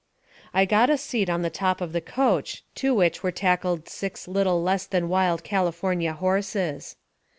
I got a seat on the top of the coach, to which were tackled six little less than wild California horses.